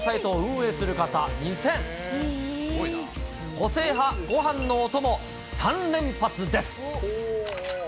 個性派ごはんのお供３連発です。